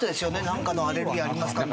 なんかのアレルギーありますか？